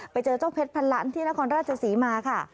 ไปเจอเจ้าเพชรพันล้านที่นครราชศรีมาค่ะ